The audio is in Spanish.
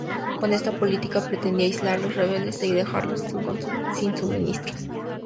Con esta política pretendía aislar a los rebeldes y dejarlos sin suministros.